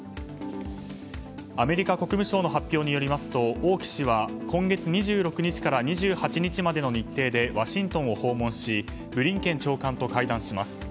アメリカ国務省の発表によりますと王毅氏は今月２６日から２８日までの日程でワシントンを訪問しブリンケン長官と会談します。